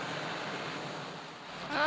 あ。